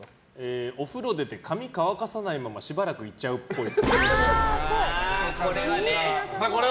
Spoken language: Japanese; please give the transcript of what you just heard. お風呂出て髪乾かさないまましばらくいちゃうっぽい。